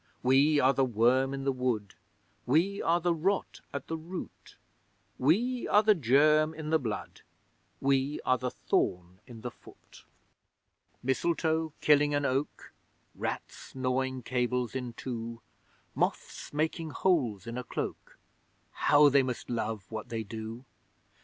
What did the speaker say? We are the worm in the wood! We are the rot at the root! We are the germ in the blood! We are the thorn in the foot! Mistletoe killing an oak Rats gnawing cables in two Moths making holes in a cloak How they must love what they do!